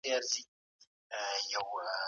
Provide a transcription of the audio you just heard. څخه بهر د غونډو او مجلسونو په ترڅ کي یې غټوي.